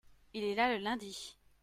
il est là le lundi.